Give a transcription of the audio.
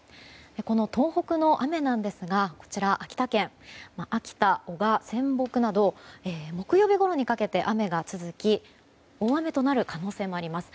東北の雨なんですが秋田県の秋田、男鹿、仙北など木曜日ごろにかけて雨が続き大雨となる可能性もあります。